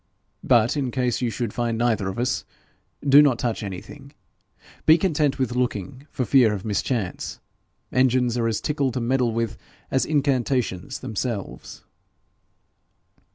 But in case you should find neither of us do not touch anything; be content with looking for fear of mischance. Engines are as tickle to meddle with as incantations them selves.'